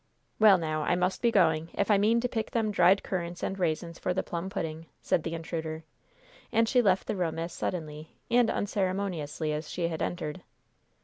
"Well, now I must be going, if I mean to pick them dried currants and raisins for the plum pudding!" said the intruder, and she left the room as suddenly and unceremoniously as she had entered.